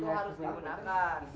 itu harus digunakan